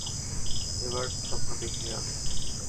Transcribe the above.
এবার স্বপ্ন দেখিনি আমি।